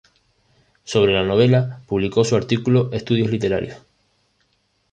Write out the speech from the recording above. Sobre la novela publicó su artículo "Estudios literarios.